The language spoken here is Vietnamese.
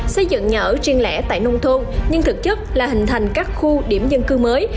xây dựng nhà ở riêng lẻ tại nông thôn nhưng thực chất là hình thành các khu điểm dân cư mới